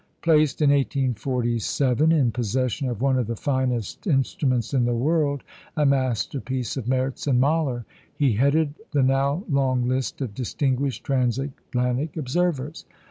Placed in 1847 in possession of one of the finest instruments in the world a masterpiece of Merz and Mahler he headed the now long list of distinguished Transatlantic observers.